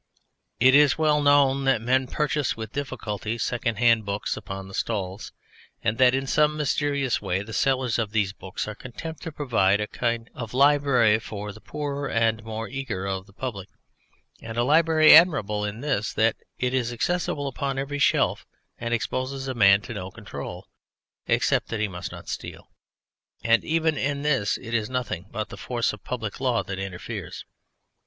It is well known that men purchase with difficulty second hand books upon the stalls, and that in some mysterious way the sellers of these books are content to provide a kind of library for the poorer and more eager of the public, and a library admirable in this, that it is accessible upon every shelf and exposes a man to no control, except that he must not steal, and even in this it is nothing but the force of public law that interferes.